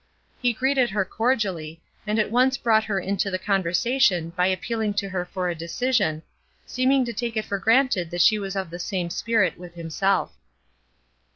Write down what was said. He greeted her cordially, and at once brought her into the conversation by appealing to her for a decision, seeming to take it for granted that she was of the same spirit with himself.